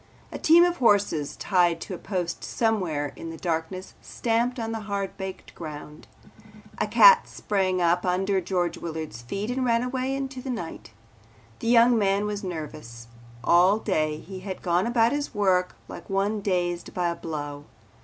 A team of horses tied to a post somewhere in the darkness stamped on the hard baked ground. A cat sprang from under George Willard's feet and ran away into the night. The young man was nervous. All day he had gone about his work like one dazed by a blow.